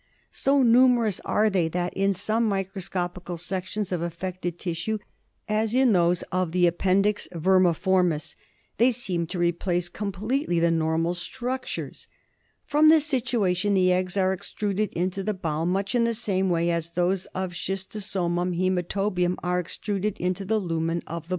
So numeroua are they that in some micro scopical sections of affected tissue, as in those of the appendix vermiformis, they seem to replace completely the normal structures. From this situation the eggs are extruded into the bowel, much in the same way as those of S. hizmatobium are extruded into the lumen of the SCHISTOSOMUM CATTOI.